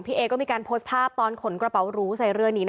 เปิดภาพปอนด์กระเป๋ารูใส่เรือนนี้นะคะ